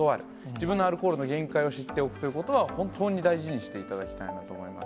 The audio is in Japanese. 自分のアルコールの限界を知っておくということは、本当に大事にしていただきたいなと思います。